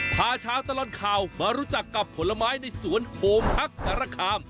พาชาวตลอดข่าวมารู้จักกับผลไม้ในสวนโฮมฮักสารคาม